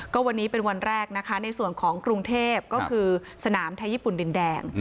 ก็วันนี้เป็นวันแรกนะคะในส่วนของกรุงเทพก็คือสนามไทยญี่ปุ่นดินแดง